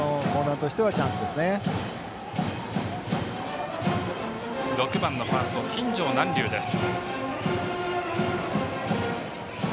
打席には６番のファースト金城南隆です。